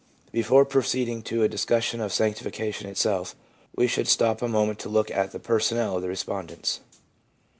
Before proceeding to a discussion of sanctification itself, we should stop a moment to look at the personnel of the respondents.